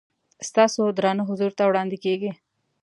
ستاسو درانه حضور ته وړاندې کېږي.